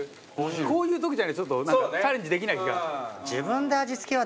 こういう時じゃないとちょっとチャレンジできない気が。